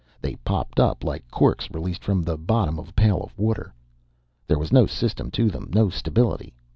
They popped up like corks released from the bottom of a pail of water. There was no system to them, no stability.